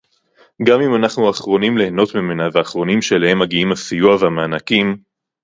גם אם אנחנו האחרונים ליהנות ממנה והאחרונים שאליהם מגיעים הסיוע והמענקים